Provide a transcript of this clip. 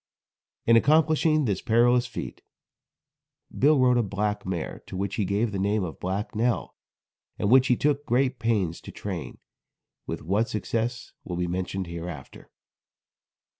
In accomplishing this perilous feat, Bill rode a black mare, to which he gave the name of Black Nell, and which he took great pains to train, with what success will be mentioned hereafter.